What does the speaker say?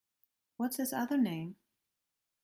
What’s his other name?